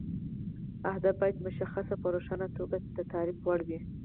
اهداف باید مشخص او په روښانه توګه د تعریف وړ وي.